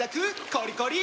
コリコリ！